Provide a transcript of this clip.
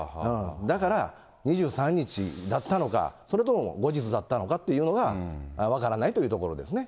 だから、２３日だったのか、それとも後日だったのかというのが分からないというところですね。